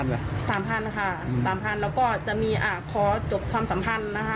๓๐๐๐บาทนะคะ๓๐๐๐บาทแล้วก็จะมีขอจบความสัมพันธ์นะคะ